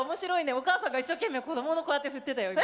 お母さんが一生懸命子どものこうやって振ってたよ今。